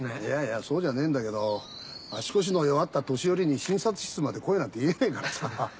いやいやそうじゃねえんだけど足腰の弱った年寄りに診察室まで来いなんて言えないからさ。